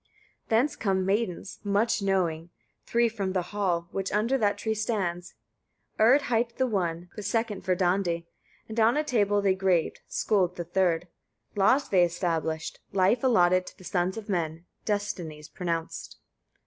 20. Thence come maidens, much knowing, three from the hall, which under that tree stands; Urd hight the one, the second Verdandi, on a tablet they graved Skuld the third. Laws they established, life allotted to the sons of men; destinies pronounced.